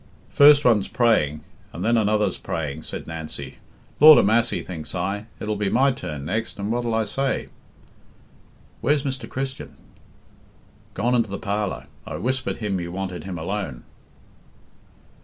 "First one's praying, and then another's praying," said Nancy. "Lord a massy, thinks I, it'll be my turn next, and what'll I say?" "Where's Mr. Christian?" "Gone into the parlour. I whispered him you wanted him alone."